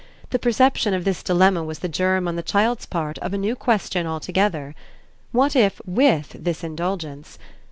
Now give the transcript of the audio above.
The perception of this dilemma was the germ on the child's part of a new question altogether. What if WITH this indulgence